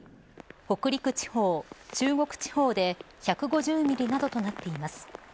北陸地方、中国地方で１５０ミリなどとなっています。